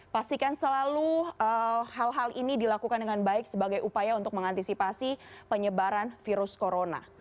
pastikan selalu hal hal ini dilakukan dengan baik sebagai upaya untuk mengantisipasi penyebaran virus corona